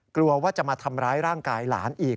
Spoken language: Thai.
กลัวว่าจะมาทำร้ายร่างกายหลานอีก